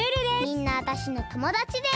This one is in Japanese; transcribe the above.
みんなわたしのともだちです！